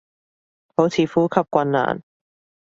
好似呼吸困難